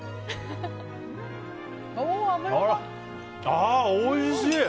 ああ、おいしい！